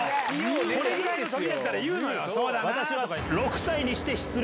これぐらいの時だったら言うのよ。